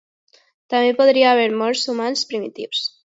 També podria haver mort humans primitius.